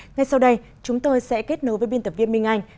ngay sau đây chúng tôi sẽ kết nối với biên tập viên minh anh